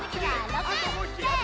６！